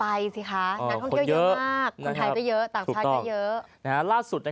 ไปสิคะท่องเที่ยวเยอะมากคนไทยจะเยอะต่างประชาติก็เยอะ